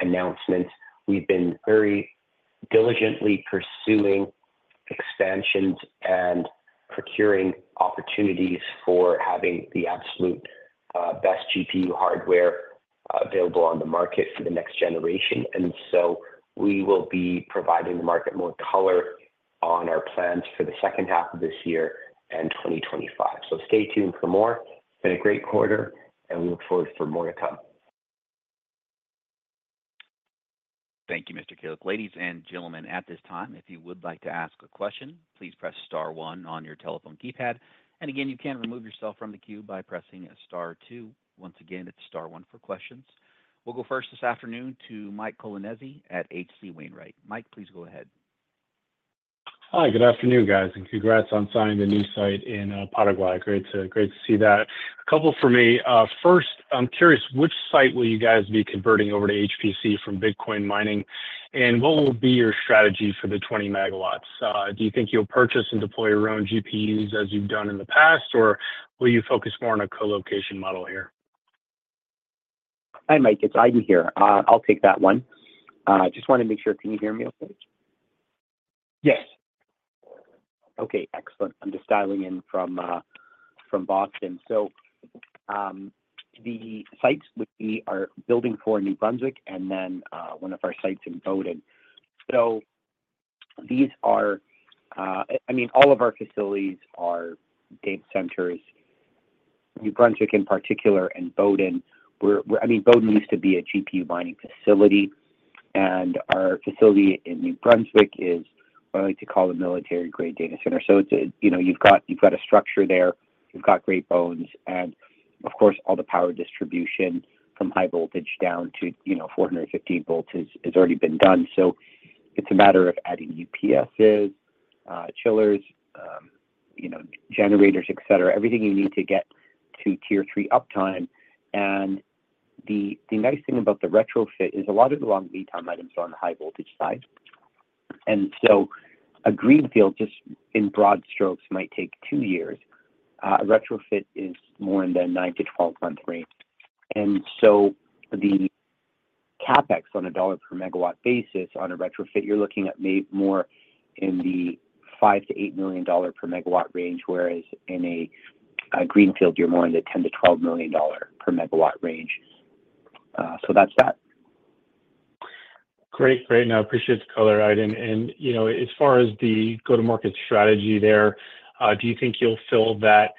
announcements. We've been very diligently pursuing expansions and procuring opportunities for having the absolute best GPU hardware available on the market for the next generation. So we will be providing the market more color on our plans for the second half of this year and 2025. Stay tuned for more. It's been a great quarter, and we look forward for more to come. Thank you, Mr. Kilic. Ladies and gentlemen, at this time, if you would like to ask a question, please press star one on your telephone keypad, and again, you can remove yourself from the queue by pressing star two. Once again, it's star one for questions. We'll go first this afternoon to Mike Colonnese at H.C. Wainwright. Mike, please go ahead. Hi, good afternoon, guys, and congrats on signing the new site in Paraguay. Great to, great to see that. A couple for me. First, I'm curious, which site will you guys be converting over to HPC from Bitcoin mining, and what will be your strategy for the 20 MW? Do you think you'll purchase and deploy your own GPUs as you've done in the past, or will you focus more on a colocation model here? Hi, Mike, it's Aydin here. I'll take that one. Just wanted to make sure, can you hear me okay? Yes. Okay, excellent. I'm just dialing in from, from Boston. So, the sites which we are building for in New Brunswick and then, one of our sites in Boden. So these are, I mean, all of our facilities are data centers. New Brunswick in particular and Boden, we're, I mean, Boden used to be a GPU mining facility, and our facility in New Brunswick is what I like to call a military-grade data center. So it's a, you know, you've got a structure there, you've got great bones, and of course, all the power distribution from high voltage down to, you know, 450 volts has already been done. So it's a matter of adding UPSs, chillers, you know, generators, et cetera. Everything you need to get to Tier III uptime. And the nice thing about the retrofit is a lot of the long lead time items are on the high voltage side. And so a greenfield, just in broad strokes, might take two years. A retrofit is more in the nine to 12-month range. And so the CapEx on a dollar per megawatt basis on a retrofit, you're looking at maybe more in the $5 million-$8 million per megawatt range, whereas in a greenfield, you're more in the $10 million-$12 million per megawatt range. So that's that. Great. Great. No, I appreciate the color, Aydin. And, you know, as far as the go-to-market strategy there, do you think you'll fill that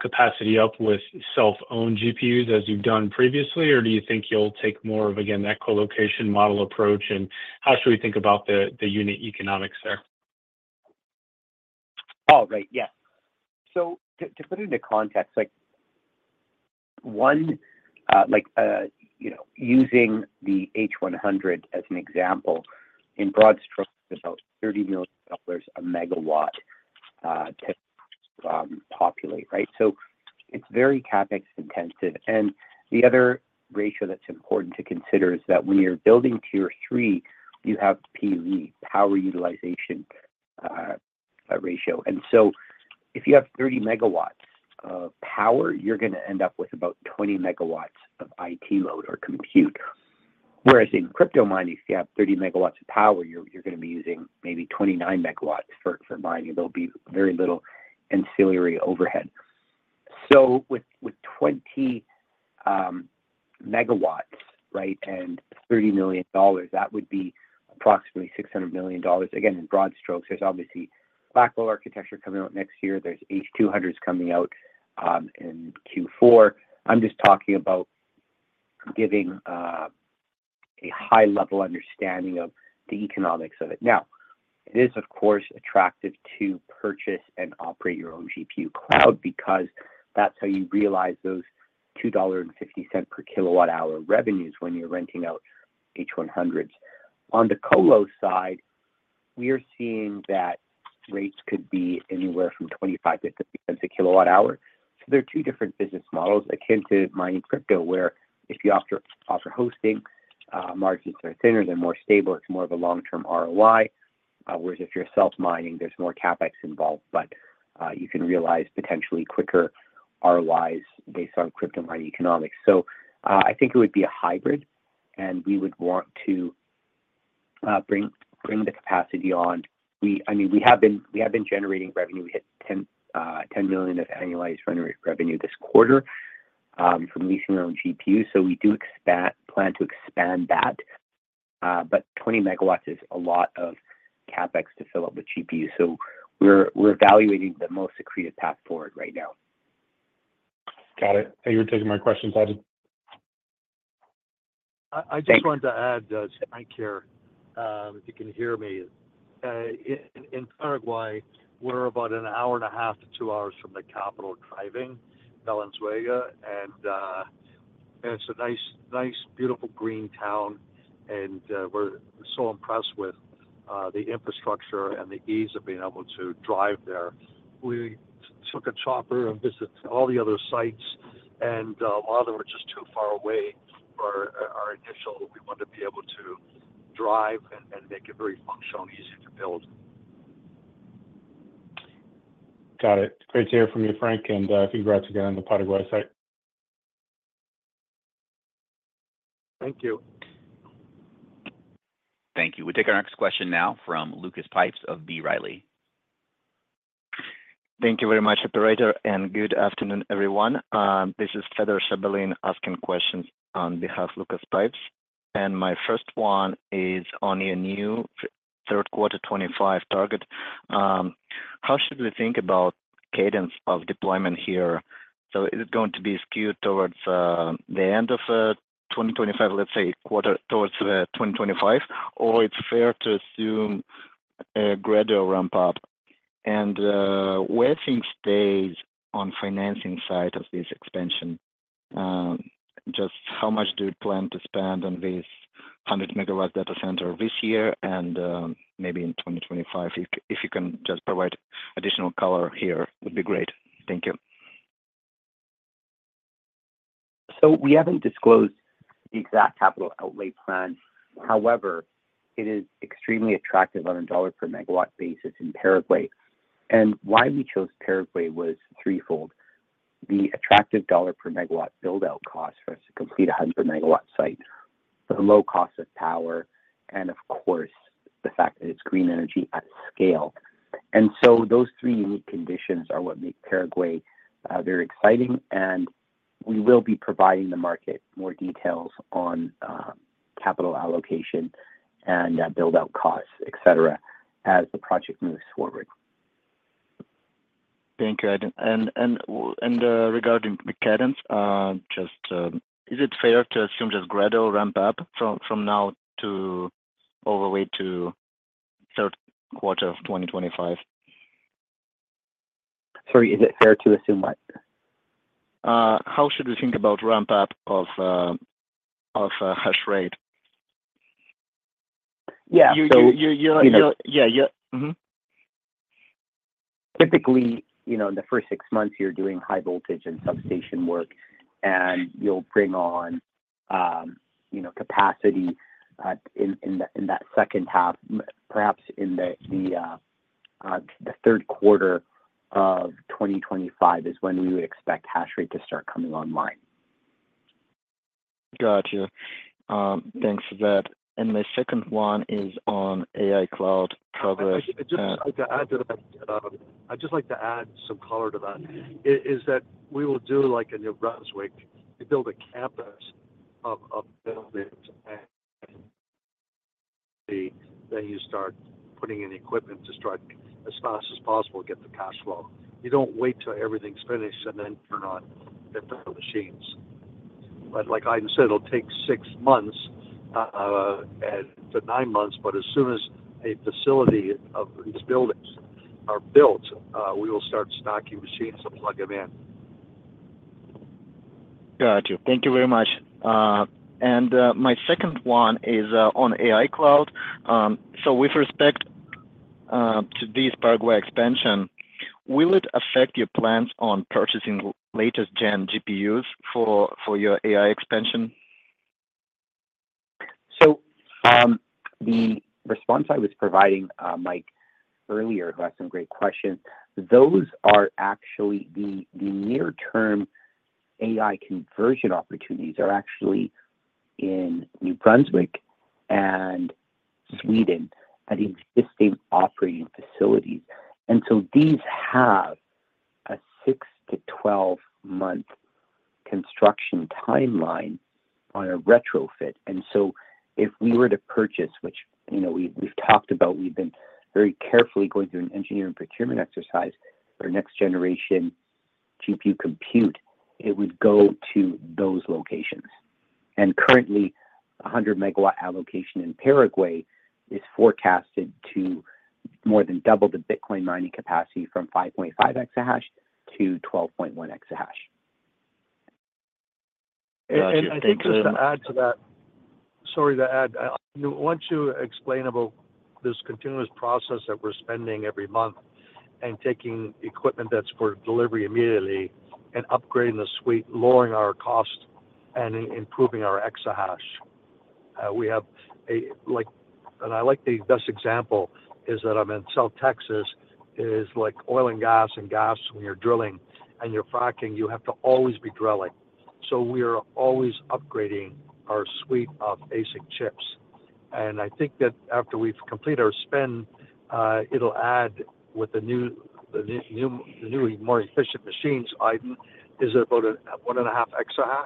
capacity up with self-owned GPUs as you've done previously? Or do you think you'll take more of again, that colocation model approach, and how should we think about the unit economics there? Oh, right. Yeah. So to put it into context, like, one, like, you know, using the H100 as an example, in broad strokes, it's about $30 million MW to populate, right? So it's very CapEx intensive. And the other ratio that's important to consider is that when you're building Tier III, you have PUE, power utilization ratio. And so if you have 30 MW of power, you're gonna end up with about 20 MW of IT load or compute. Whereas in crypto mining, if you have 30 MW of power, you're gonna be using maybe 29 MW for mining. There'll be very little ancillary overhead. So with 20 MW, right, and $30 million, that would be approximately $600 million. Again, in broad strokes, there's obviously Blackwell architecture coming out next year. There's H200s coming out in Q4. I'm just talking about giving a high-level understanding of the economics of it. Now, it is, of course, attractive to purchase and operate your own GPU cloud because that's how you realize those $2.50 per kWh revenues when you're renting out H100s. On the colo side, we are seeing that rates could be anywhere from $0.25-$0.50 per kWh. So there are two different business models, akin to mining crypto, where if you offer hosting, margins are thinner, they're more stable, it's more of a long-term ROI. Whereas if you're self-mining, there's more CapEx involved, but you can realize potentially quicker ROIs based on crypto mining economics. So, I think it would be a hybrid, and we would want to bring the capacity on. I mean, we have been generating revenue. We hit $10 million of annualized run revenue this quarter from leasing our own GPU, so we do expect to expand that. But 20 MW is a lot of CapEx to fill up with GPU. So we're evaluating the most accretive path forward right now. Got it. Thank you for taking my questions, Aydin. I just wanted to add, Mike here, if you can hear me. In Paraguay, we're about 1.5-2 hours from the capital, driving, Valenzuela, and-... And it's a nice, nice, beautiful green town, and, we're so impressed with, the infrastructure and the ease of being able to drive there. We took a chopper and visited all the other sites, and, a lot of them were just too far away for our initial. We want to be able to drive and make it very functional and easy to build. Got it. Great to hear from you, Frank, and congrats again on the Paraguay site. Thank you. Thank you. We'll take our next question now from Lucas Pipes of B. Riley. Thank you very much, operator, and good afternoon, everyone. This is Fedor Shabalin asking questions on behalf Lucas Pipes, and my first one is on your new third quarter 2025 target. How should we think about cadence of deployment here? So is it going to be skewed towards the end of 2025, let's say a quarter towards 2025, or it's fair to assume a gradual ramp up? And where things stays on financing side of this expansion, just how much do you plan to spend on this 100 MW data center this year and maybe in 2025? If you can just provide additional color here, would be great. Thank you. So we haven't disclosed the exact capital outlay plan. However, it is extremely attractive on a $ per MW basis in Paraguay. And why we chose Paraguay was threefold: the attractive $ per MW build-out cost for us to complete a 100 MW site, the low cost of power, and of course, the fact that it's green energy at scale. And so those three unique conditions are what make Paraguay very exciting, and we will be providing the market more details on capital allocation and build-out costs, etc., as the project moves forward. Thank you. And regarding the cadence, just, is it fair to assume just gradual ramp up from now to all the way to third quarter of 2025? Sorry, is it fair to assume what? How should we think about ramp up of hash rate? Yeah, so- Yeah... Mm-hmm. Typically, you know, in the first six months, you're doing high voltage and substation work, and you'll bring on, you know, capacity, in the second half. Perhaps in the third quarter of 2025 is when we would expect hash rate to start coming online. Gotcha. Thanks for that. And my second one is on AI cloud progress. I'd just like to add to that, I'd just like to add some color to that. It is that we will do like a New Brunswick, to build a campus of, of buildings, and then you start putting in equipment to start as fast as possible, get the cash flow. You don't wait till everything's finished and then turn on the machines. But like I said, it'll take six months, and to nine months, but as soon as a facility of these buildings are built, we will start stocking machines and plug them in. Got you. Thank you very much. My second one is on AI cloud. So with respect to this Paraguay expansion, will it affect your plans on purchasing latest gen GPUs for your AI expansion? So, the response I was providing, Mike earlier, who had some great questions, those are actually the near-term AI conversion opportunities are actually in New Brunswick and Sweden, at existing operating facilities. And so these have a 6-12-month construction timeline on a retrofit. And so if we were to purchase, which, you know, we've, we've talked about, we've been very carefully going through an engineering procurement exercise for next-generation GPU compute, it would go to those locations. And currently, a 100 MW allocation in Paraguay is forecasted to more than double the Bitcoin mining capacity from 5.5 exahash-12.1 exahash. Got you. And I think just to add to that. Sorry to add. I want to explain about this continuous process that we're spending every month and taking equipment that's for delivery immediately and upgrading the suite, lowering our cost, and improving our exahash. We have a like. And I like the best example is that I'm in South Texas, is like oil and gas, and gas when you're drilling and you're fracking, you have to always be drilling. So we are always upgrading our suite of ASIC chips. And I think that after we've completed our spend, it'll add with the new, the new, the new more efficient machines, Aydin, is about a 1.5 exahash?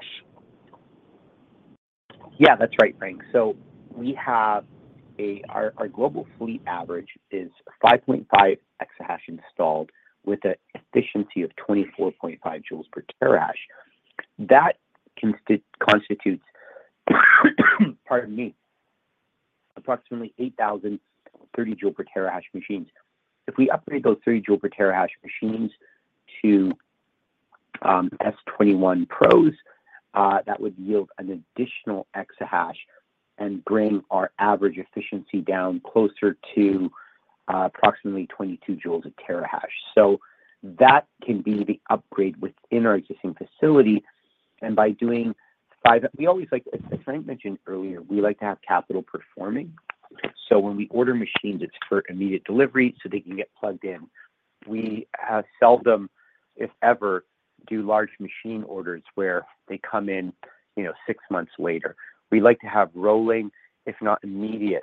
Yeah, that's right, Frank. So we have—Our global fleet average is 5.5 exahash installed with an efficiency of 24.5 J/TH. That constitutes. Pardon me. Approximately 8,000 30 J/TH machines. If we upgrade those 30 J/TH machines to S21 Pros, that would yield an additional exahash and bring our average efficiency down closer to approximately 22 J/TH. So that can be the upgrade within our existing facility. And by doing five, we always like, as Frank mentioned earlier, we like to have capital performing. So when we order machines, it's for immediate delivery, so they can get plugged in. We seldom, if ever, do large machine orders where they come in, you know, 6 months later. We like to have rolling, if not immediate,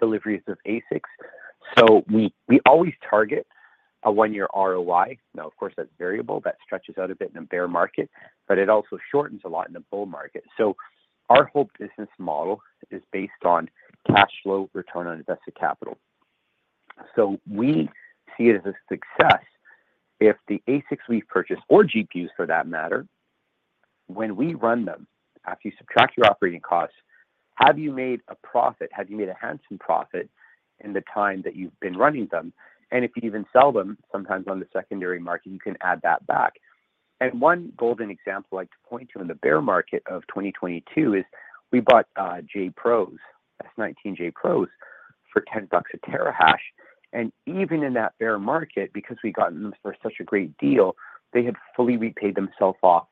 deliveries of ASICs. So we always target a one-year ROI. Now, of course, that's variable that stretches out a bit in a bear market, but it also shortens a lot in a bull market. So our whole business model is based on cash flow, return on invested capital. So we see it as a success if the ASICs we've purchased or GPUs, for that matter, when we run them, after you subtract your operating costs, have you made a profit? Have you made a handsome profit in the time that you've been running them? And if you even sell them, sometimes on the secondary market, you can add that back. And one golden example I'd like to point to in the bear market of 2022 is we bought J Pros, S19j Pros for $10 a terahash. And even in that bear market, because we gotten them for such a great deal, they had fully repaid themselves off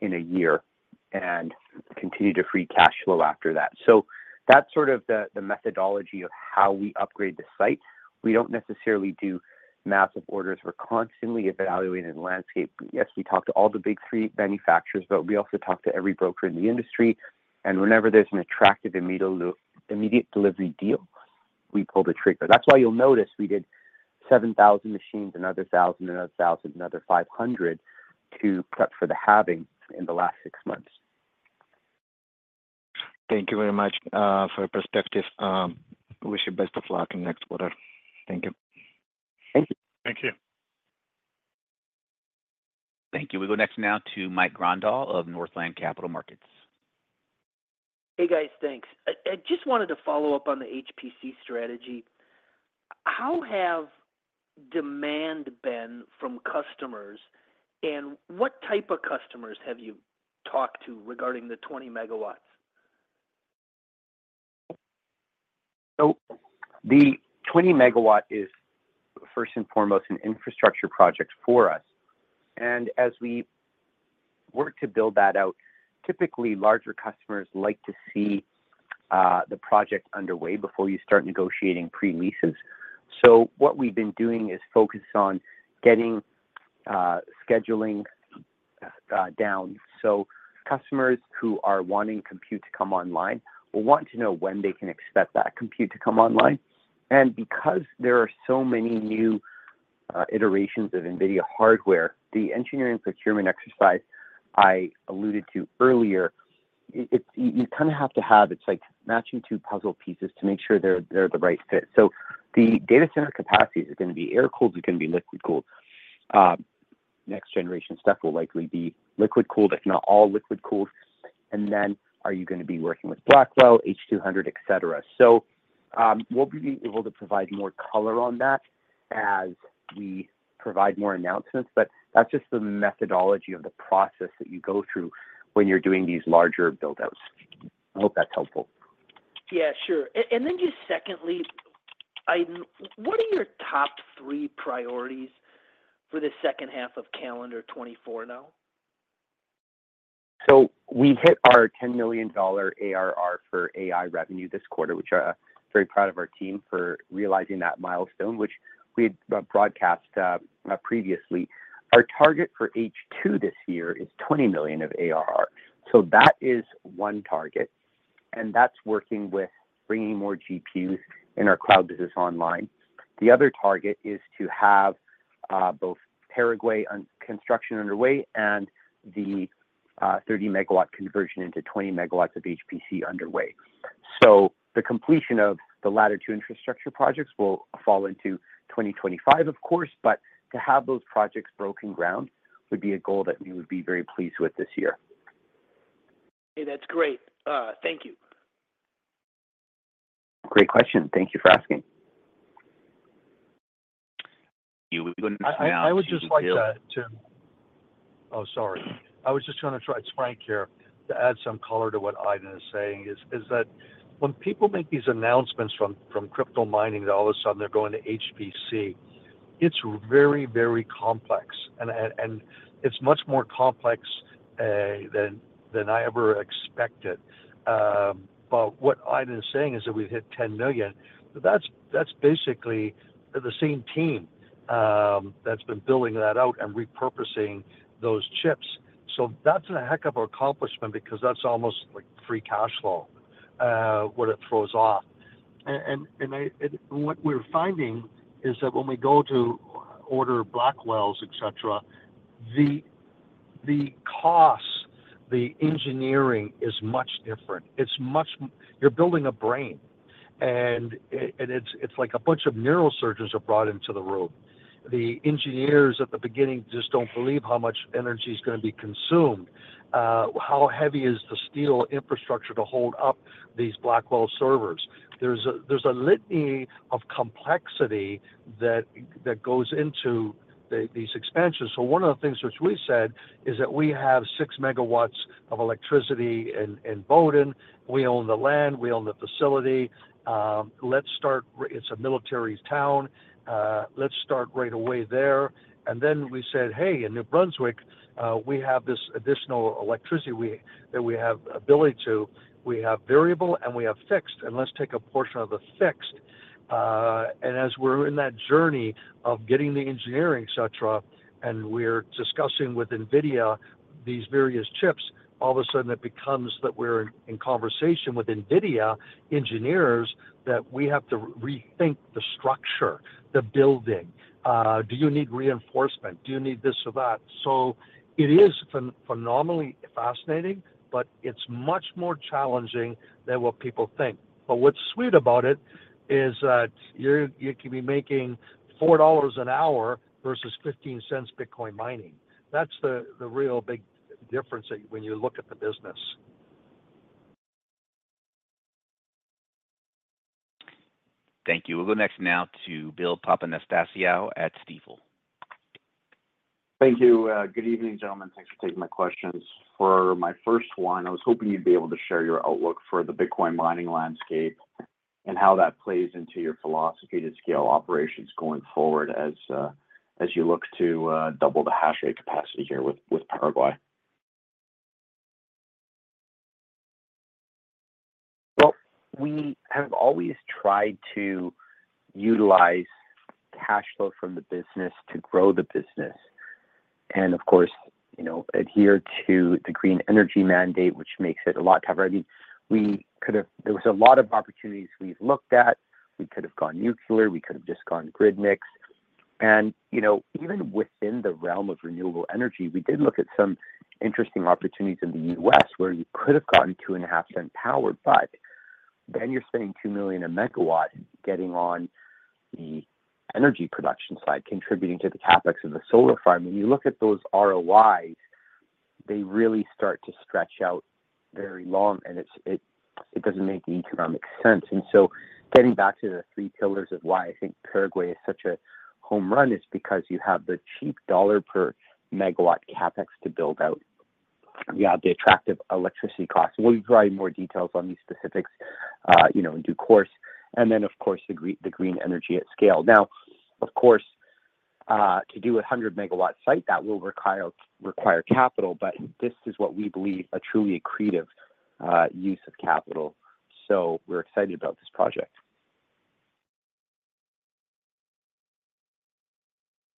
in a year and continued to free cash flow after that. So that's sort of the methodology of how we upgrade the site. We don't necessarily do massive orders. We're constantly evaluating the landscape. But yes, we talk to all the big three manufacturers, but we also talk to every broker in the industry, and whenever there's an attractive immediate delivery deal, we pull the trigger. That's why you'll notice we did 7,000 machines, another 1,000, another 1,000, another 500 to prep for the halving in the last six months. Thank you very much for your perspective. Wish you best of luck in the next quarter. Thank you. Thank you. Thank you. Thank you. We go next now to Mike Grondahl of Northland Capital Markets. Hey, guys, thanks. I just wanted to follow up on the HPC strategy. How have demand been from customers, and what type of customers have you talked to regarding the 20 MW? So the 20 MW is first and foremost an infrastructure project for us. And as we work to build that out, typically, larger customers like to see the project underway before you start negotiating pre-leases. So what we've been doing is focused on getting scheduling down. So customers who are wanting compute to come online will want to know when they can expect that compute to come online. And because there are so many new iterations of NVIDIA hardware, the engineering procurement exercise I alluded to earlier, it—you kind of have to have, it's like matching two puzzle pieces to make sure they're the right fit. So the data center capacities are going to be air-cooled, they're going to be liquid-cooled. Next generation stuff will likely be liquid-cooled, if not all liquid-cooled. Are you going to be working with Blackwell, H200, et cetera? We'll be able to provide more color on that as we provide more announcements, but that's just the methodology of the process that you go through when you're doing these larger build-outs. I hope that's helpful. Yeah, sure. And then just secondly, what are your top three priorities for the second half of calendar 2024 now? So we've hit our $10 million ARR for AI revenue this quarter, which I'm very proud of our team for realizing that milestone, which we had broadcast previously. Our target for H2 this year is $20 million of ARR. So that is one target, and that's working with bringing more GPUs in our cloud business online. The other target is to have both Paraguay on construction underway and the 30 MW conversion into 20 MW of HPC underway. So the completion of the latter two infrastructure projects will fall into 2025, of course, but to have those projects broken ground would be a goal that we would be very pleased with this year. Hey, that's great. Thank you. Great question. Thank you for asking. We go next now to I would just like to... Oh, sorry. I was just going to try, it's Frank here, to add some color to what Aydin is saying, is that when people make these announcements from crypto mining, that all of a sudden they're going to HPC, it's very, very complex, and it's much more complex than I ever expected. But what Aydin is saying is that we've hit $10 million, but that's basically the same team that's been building that out and repurposing those chips. So that's a heck of an accomplishment because that's almost like free cash flow what it throws off. And what we're finding is that when we go to order Blackwells, et cetera, the costs, the engineering is much different. It's much-- You're building a brain. And it's like a bunch of neurosurgeons are brought into the room. The engineers at the beginning just don't believe how much energy is gonna be consumed. How heavy is the steel infrastructure to hold up these Blackwell servers? There's a litany of complexity that goes into these expansions. So one of the things which we said is that we have 6 MW of electricity in Boden. We own the land, we own the facility. Let's start. It's a military town. Let's start right away there. And then we said, "Hey, in New Brunswick, we have this additional electricity that we have ability to. We have variable, and we have fixed, and let's take a portion of the fixed. And as we're in that journey of getting the engineering, et cetera, and we're discussing with NVIDIA these various chips, all of a sudden it becomes that we're in conversation with NVIDIA engineers, that we have to rethink the structure, the building. Do you need reinforcement? Do you need this or that? So it is phenomenally fascinating, but it's much more challenging than what people think. But what's sweet about it is that you can be making $4 an hour versus $0.15 Bitcoin mining. That's the real big difference when you look at the business. Thank you. We'll go next now to Bill Papanastasiou at Stifel. Thank you. Good evening, gentlemen. Thanks for taking my questions. For my first one, I was hoping you'd be able to share your outlook for the Bitcoin mining landscape, and how that plays into your philosophy to scale operations going forward, as you look to double the hash rate capacity here with Paraguay. Well, we have always tried to utilize cash flow from the business to grow the business. And of course, you know, adhere to the green energy mandate, which makes it a lot tougher. I mean, we could have. There was a lot of opportunities we've looked at. We could have gone nuclear, we could have just gone grid mix. And, you know, even within the realm of renewable energy, we did look at some interesting opportunities in the U.S. where you could have gotten $0.025 power, but then you're spending $2 million MW getting on the energy production side, contributing to the CapEx of the solar farm. When you look at those ROIs, they really start to stretch out very long, and it doesn't make economic sense. Getting back to the three pillars of why I think Paraguay is such a home run is because you have the cheap dollar per megawatt CapEx to build out. You have the attractive electricity costs. We'll provide more details on these specifics, you know, in due course. And then, of course, the green energy at scale. Now, of course, to do a 100 MW site, that will require capital, but this is what we believe a truly accretive use of capital. So we're excited about this project.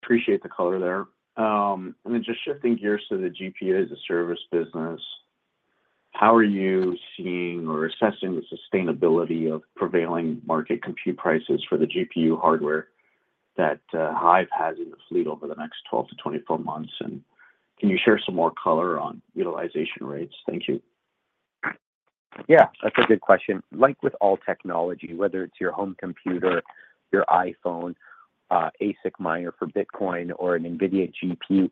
Appreciate the color there. And then just shifting gears to the GPU-as-a-service business, how are you seeing or assessing the sustainability of prevailing market compute prices for the GPU hardware that, HIVE has in the fleet over the next 12-24 months? And can you share some more color on utilization rates? Thank you. Yeah, that's a good question. Like with all technology, whether it's your home computer, your iPhone, ASIC miner for Bitcoin or an NVIDIA GPU,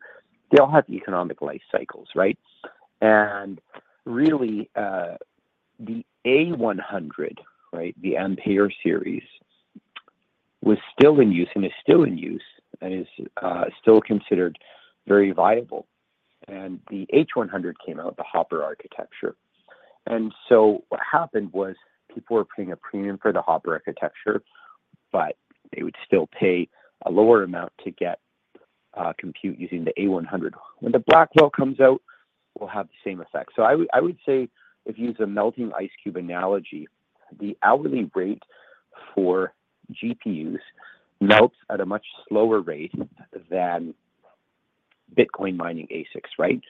they all have economic life cycles, right? And really, the A100, right, the Ampere series, was still in use and is still in use and is still considered very viable. And the H100 came out, the Hopper architecture. And so what happened was people were paying a premium for the Hopper architecture, but they would still pay a lower amount to get compute using the A100. When the Blackwell comes out, it will have the same effect. So I would, I would say, if you use a melting ice cube analogy, the hourly rate for GPUs melts at a much slower rate than Bitcoin mining ASICs, right?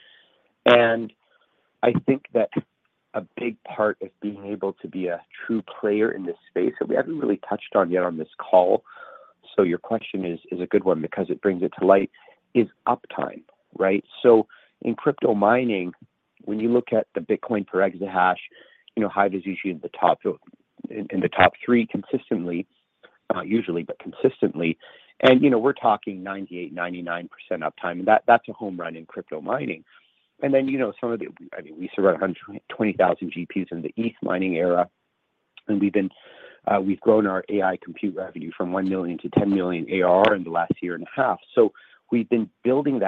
I think that a big part of being able to be a true player in this space, and we haven't really touched on yet on this call, so your question is a good one because it brings it to light, is uptime, right? So in crypto mining, when you look at the Bitcoin per exahash, you know, HIVE is usually in the top two- in the top three, consistently, usually, but consistently. And you know, we're talking 98%-99% uptime, and that's a home run in crypto mining. And then, you know, some of the- I mean, we saw around 120,000 GPUs in the ETH mining era, and we've been- we've grown our AI compute revenue from $1 million-$10 million ARR in the last year and a half. So we've been building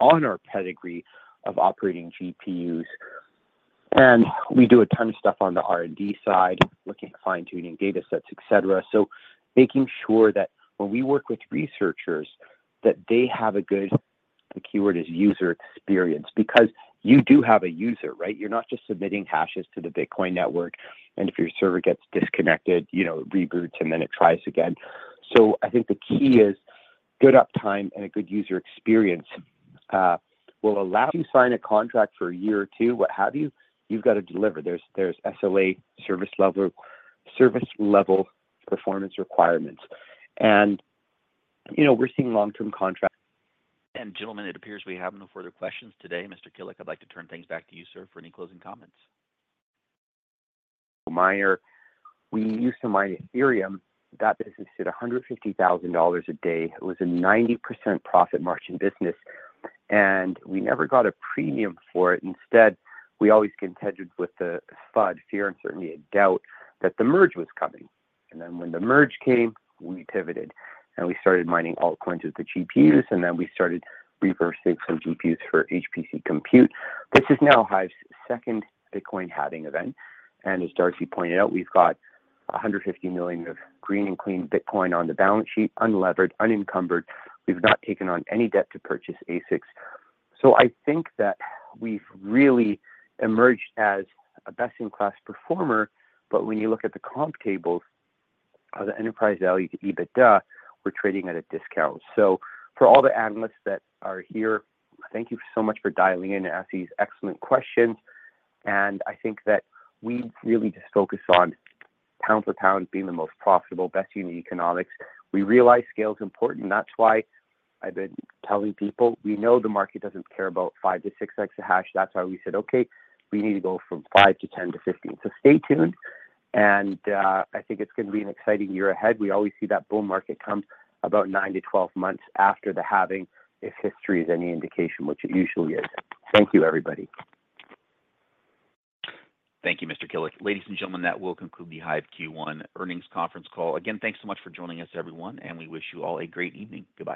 on our pedigree of operating GPUs. We do a ton of stuff on the R&D side, looking at fine-tuning data sets, et cetera. So making sure that when we work with researchers, that they have a good, the keyword is user experience, because you do have a user, right? You're not just submitting hashes to the Bitcoin network, and if your server gets disconnected, you know, it reboots and then it tries again. So I think the key is good uptime and a good user experience will allow you sign a contract for a year or two, what have you, you've got to deliver. There's SLA, service level performance requirements. You know, we're seeing long-term contracts. Gentlemen, it appears we have no further questions today. Mr. Kilic, I'd like to turn things back to you, sir, for any closing comments. Mind you, we used to mine Ethereum. That business did $150,000 a day. It was a 90% profit margin business, and we never got a premium for it. Instead, we always contended with the FUD, fear, uncertainty, and doubt, that the Merge was coming. And then when the Merge came, we pivoted, and we started mining altcoins with the GPUs, and then we started reversing some GPUs for HPC compute. This is now HIVE's second Bitcoin halving event, and as Darcy pointed out, we've got $150 million of green and clean Bitcoin on the balance sheet, unlevered, unencumbered. We've not taken on any debt to purchase ASICs. So I think that we've really emerged as a best-in-class performer, but when you look at the comp tables of the enterprise value to EBITDA, we're trading at a discount. So for all the analysts that are here, thank you so much for dialing in to ask these excellent questions, and I think that we really just focus on pound for pound being the most profitable, best in the economics. We realize scale is important, and that's why I've been telling people, we know the market doesn't care about 5-6 exahash. That's why we said, "Okay, we need to go from 5 to 10 to 15." So stay tuned, and I think it's going to be an exciting year ahead. We always see that bull market come about 9-12 months after the halving, if history is any indication, which it usually is. Thank you, everybody. Thank you, Mr. Kilic. Ladies and gentlemen, that will conclude the HIVE Q1 Earnings Conference Call. Again, thanks so much for joining us, everyone, and we wish you all a great evening. Good night.